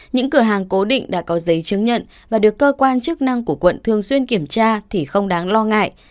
những cửa hàng cố định đã có giấy chứng nhận và được cơ quan chức năng của quận thường xuyên kiểm tra thì không đáng lo ngại